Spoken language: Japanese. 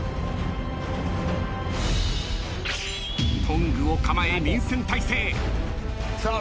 トングを構え臨戦態勢。